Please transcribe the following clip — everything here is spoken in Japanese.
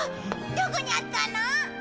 どこにあったの？